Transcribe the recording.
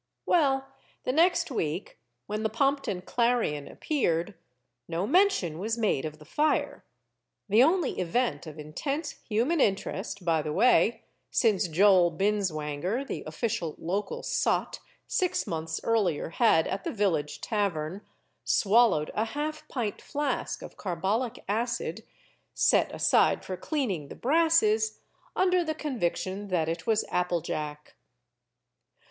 Well, the next week, when the Pompton Clarion appeared, no mention was made of the fire the only event of intense human interest, by the way, since Joel Binswanger, the official local sot, six months earlier had, at the village tavern, swallowed a half pint flask of carbolic acid set aside for cleaning the brasses under the conviction that it was applejack.